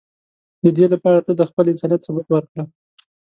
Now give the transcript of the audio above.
د دی لپاره ته د خپل انسانیت ثبوت ورکړه.